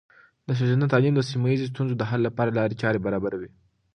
د ښځینه تعلیم د سیمه ایزې ستونزو د حل لپاره لارې چارې برابروي.